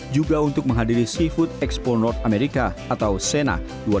juga untuk menghadiri seafood expo north america atau sena dua ribu delapan belas